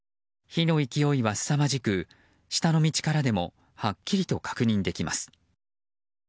火の勢いはすさまじく下の道からでもはっきりと確認できます。